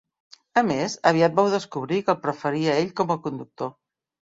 A més, aviat vau descobrir que el preferia a ell com a conductor.